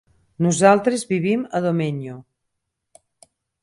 Nosaltres vivim a Domenyo.